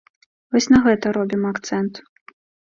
Вось на гэта робім акцэнт.